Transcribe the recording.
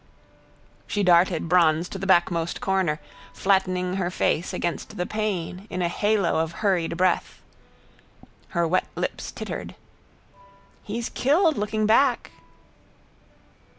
She darted, bronze, to the backmost corner, flattening her face against the pane in a halo of hurried breath. Her wet lips tittered: —He's killed looking back.